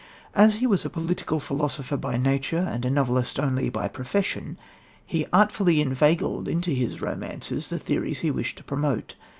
As he was a political philosopher by nature and a novelist only by profession, he artfully inveigled into his romances the theories he wished to promote.